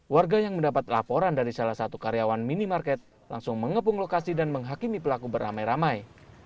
warga yang mendapat laporan dari salah satu karyawan minimarket langsung mengepung lokasi dan menghakimi pelaku beramai ramai